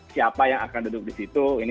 siapa yang akan duduk di situ